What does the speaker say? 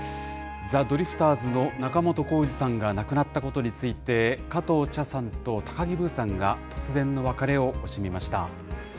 ザ・ドリフターズの仲本工事さんが亡くなったことについて、加藤茶さんと高木ブーさんが、突然の別れを惜しみました。